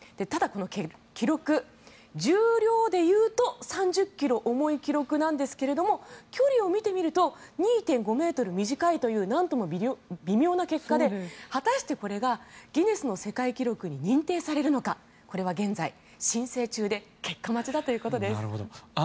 ただ、記録、重量でいうと３０ｋｇ重い記録なんですが距離を見てみると２．５ｍ短いというなんとも微妙な結果で果たしてこれがギネス世界記録に認定されるのかこれは現在、申請中で結果待ちだということです。